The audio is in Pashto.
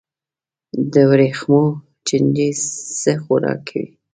د وریښمو چینجی څه خوراک کوي؟